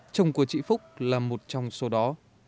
chồng của chị phúc là một trong số đó